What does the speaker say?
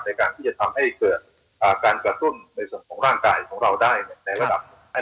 ในการที่จะทำให้เกิดการกระตุ้นในส่วนของร่างกายของเราได้ในระดับ